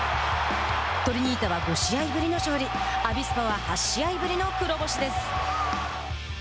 トリニータは５試合ぶりの勝利アビスパは８試合ぶりの黒星です。